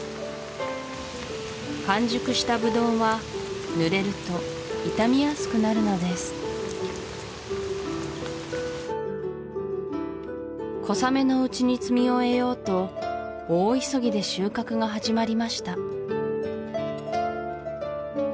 完熟したブドウは濡れると傷みやすくなるのです小雨のうちに摘み終えようと大急ぎで収穫が始まりました